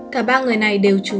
cả ba người này đều trú